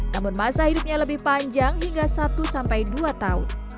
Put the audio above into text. namun masa hidupnya lebih panjang hingga satu sampai dua tahun